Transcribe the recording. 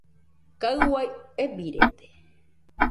Kaɨ uai ebirede.